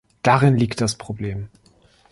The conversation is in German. Darin liegt das Problem!